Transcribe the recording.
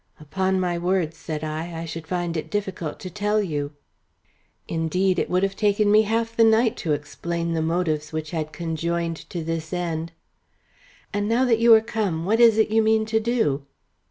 "Upon my word," said I, "I should find it difficult to tell you." Indeed, it would have taken me half the night to explain the motives which had conjoined to this end. "And now that you are come, what is it you mean to do?"